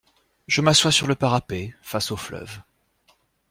Je m’assois sur le parapet, face au fleuve.